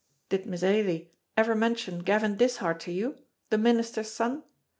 Did Miss Ailie ever mention Gavin Dishart to you the minister's son?